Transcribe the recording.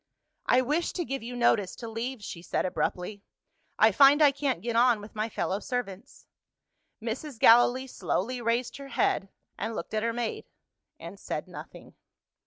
"I wish to give you notice to leave," she said abruptly; "I find I can't get on with my fellow servants." Mrs. Gallilee slowly raised her head, and looked at her maid and said nothing.